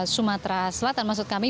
sumatera selatan maksud kami